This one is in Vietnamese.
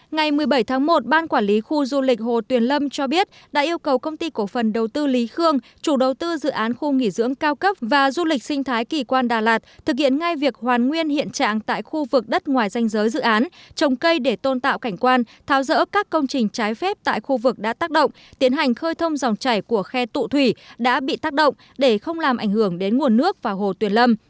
ngày một mươi bảy tháng một ban quản lý khu du lịch hồ tuyền lâm cho biết đã yêu cầu công ty cổ phần đầu tư lý khương chủ đầu tư dự án khu nghỉ dưỡng cao cấp và du lịch sinh thái kỳ quan đà lạt thực hiện ngay việc hoàn nguyên hiện trạng tại khu vực đất ngoài danh giới dự án trồng cây để tôn tạo cảnh quan tháo rỡ các công trình trái phép tại khu vực đã tác động tiến hành khơi thông dòng chảy của khe tụ thủy đã bị tác động để không làm ảnh hưởng đến nguồn nước và hồ tuyền lâm